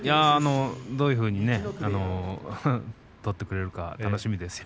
どういうふうに取ってくれるか、楽しみですよ。